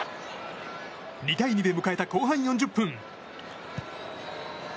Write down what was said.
２対２で迎えた後半４０分。